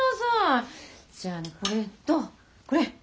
じゃあねこれとこれ！